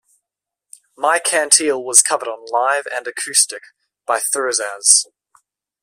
"My Kantele" was covered on "Live and Acoustic" by Thurisaz.